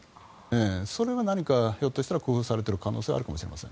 それは、何かひょっとしたら工夫されている可能性があるかもしれません。